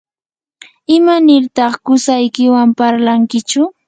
¿imanirtaq qusaykiwan parlankichu?